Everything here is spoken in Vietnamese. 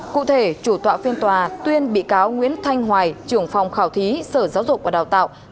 cụ thể chủ tọa phiên tòa tuyên bị cáo nguyễn thanh hoài trưởng phòng khảo thí sở giáo dục và đào tạo